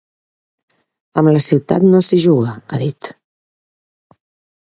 Amb la ciutat no s’hi juga, ha dit.